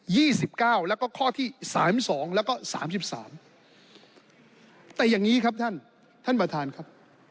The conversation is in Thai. สิบเก้าแล้วก็ข้อที่สามสองแล้วก็สามสิบสามแต่อย่างงี้ครับท่านท่านประธานครับ